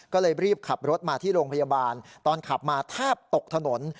ก็เลยรีบขับรถมาที่โรงพยาบาลตอนขับมาแทบตกถนน